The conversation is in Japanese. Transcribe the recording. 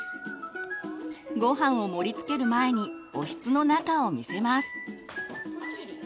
ごはんを盛りつける前におひつの中を見せます。